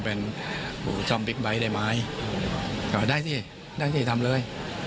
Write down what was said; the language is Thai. พอก็บอกว่าได้สิได้สิทำเลย